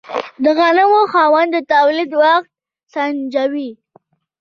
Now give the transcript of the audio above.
د غنمو خاوند د تولید وخت سنجوي.